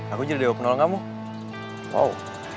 aku jadi dewa penolong kamu wow